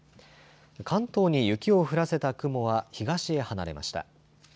関東に雪を降らせた雲は東へ離れました。